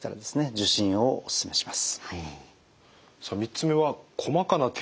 受診をお勧めします。